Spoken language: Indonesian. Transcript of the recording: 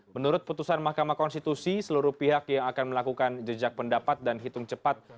menurut putusan mahkamah konstitusi seluruh pihak yang akan melakukan jejak pendapat dan hitung cepat